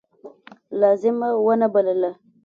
لازمه ونه بلله.